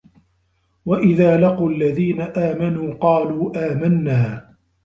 وَإِذَا لَقُوا الَّذِينَ آمَنُوا قَالُوا آمَنَّا